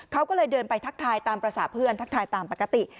เขาก็เลยเดินไปทักทายตามภาษาเพื่อนทักทายตามปกติ